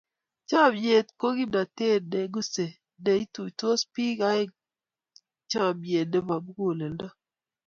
Chomnyet ko kimnatet ne ng'usei neituitos biik eng chomnyet nebo muguleldo.